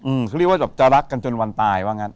เขาเรียกว่าแบบจะรักกันจนวันตายว่างั้น